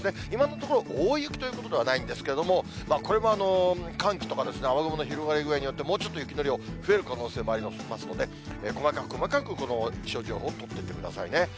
今のところ、大雪ということではないんですけれども、これも寒気とか雨雲の広がり具合によって、もうちょっと雪の量、増える可能性もありますので、細かく細かく、この気象情報、取っていってくださいね。